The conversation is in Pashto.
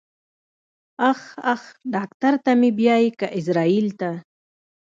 اخ اخ ډاکټر ته مې بيايې که ايزرايل ته.